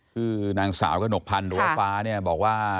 คือนางสาวกนกพรรณบอกว่า